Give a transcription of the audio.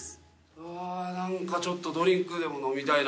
あ何かちょっとドリンクでも飲みたいな。